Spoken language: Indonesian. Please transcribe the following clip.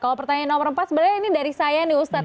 kalau pertanyaan nomor empat sebenarnya ini dari saya nih ustadz